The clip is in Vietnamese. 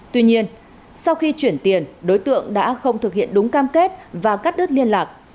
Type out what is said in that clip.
tuy nhiên sau khi chuyển tiền đối tượng đã không thực hiện đúng cam kết và cắt đứt liên lạc